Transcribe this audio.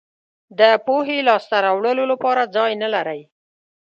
د پوهې لاسته راوړلو لپاره ځای نه لرئ.